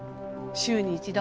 週に一度。